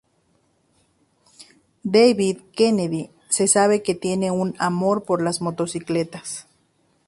David Kennedy se sabe que tiene un amor por las motocicletas.